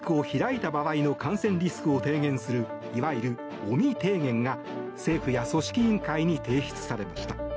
昨日、東京オリンピックを開いた場合の感染リスクを提言するいわゆる尾身提言が政府や組織委員会に提出されました。